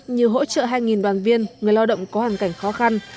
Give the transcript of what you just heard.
như hỗ trợ hai đoàn viên người lao động có hoàn cảnh khó khăn